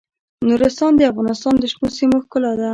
نورستان د افغانستان د شنو سیمو ښکلا ده.